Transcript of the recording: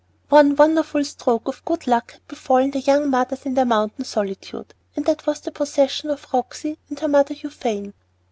One wonderful stroke of good luck had befallen the young mothers in their mountain solitude, and that was the possession of Roxy and her mother Euphane.